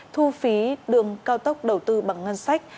thu phí đường cao tốc đầu tư bằng ngân sách